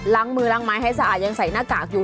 ล้างมือล้างไม้ให้สะอาดยังใส่หน้ากากอยู่